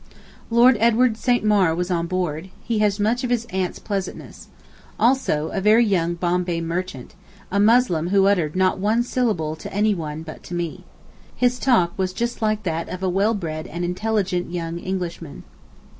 Lord Edward St. Maur was on board, he has much of his aunt's pleasantness. Also a very young Bombay Merchant—a Muslim who uttered not one syllable to any one but to me. His talk was just like that of a well bred and intelligent young Englishman.